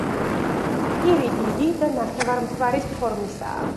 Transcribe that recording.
პირი დიდი და ნახევარმთვარის ფორმისაა.